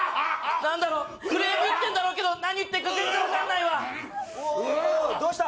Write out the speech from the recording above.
何だろうクレーム言ってんだろうけど何言ってっか全然分かんないわおいおいどうした？